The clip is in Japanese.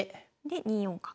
で２四角。